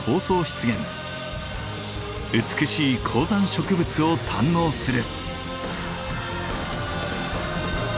美しい高山植物を堪能する。